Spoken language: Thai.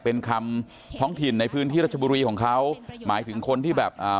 เป็นคำท้องถิ่นในพื้นที่รัชบุรีของเขาหมายถึงคนที่แบบอ่า